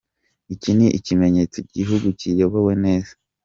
Iki Ni ikimenyetso k'igihugu kiyobowe neza.